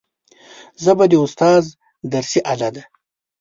ژبه د استاد درسي آله ده